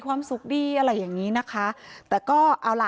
แค่อะไรอย่างนี้นะคะ